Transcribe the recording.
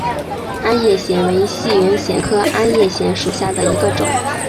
鞍叶藓为细鳞藓科鞍叶藓属下的一个种。